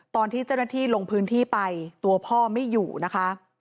ตอนที่เจ้าหน้าที่ลงพื้นที่ไปตัวพ่อไม่อยู่นะคะ